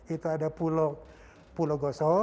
itu ada pulau gosok